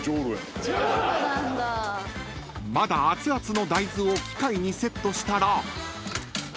［まだあつあつの大豆を機械にセットしたら］